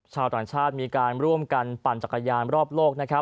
ชาวต่างชาติมีการร่วมกันปั่นจักรยานรอบโลก